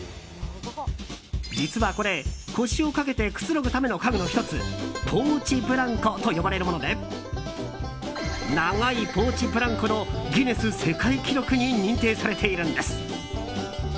実はこれ、腰を掛けてくつろぐための家具の１つポーチブランコと呼ばれるもので長いポーチブランコのギネス世界記録に認定されているんです。